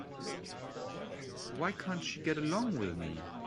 Why can't she get along with me?